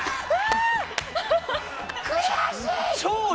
悔しい！